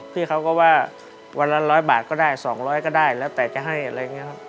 พี่เขาก็ว่าวันละ๑๐๐บาทก็ได้๒๐๐ก็ได้แล้วแต่จะให้อะไรอย่างนี้ครับ